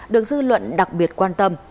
được dư luận đặc biệt quan tâm